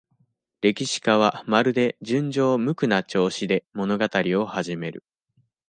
歴史家は、まるで、純情無垢な調子で、物語を始める。